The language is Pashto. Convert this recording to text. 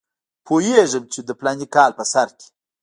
پوهېږم چې د فلاني کال په سر کې.